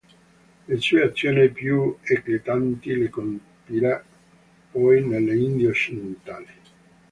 Le sue azioni più eclatanti le compirà poi nelle Indie occidentali.